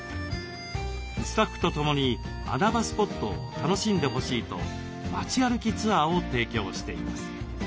スタッフと共に穴場スポットを楽しんでほしいと街歩きツアーを提供しています。